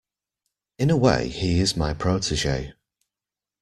In a way he is my protege.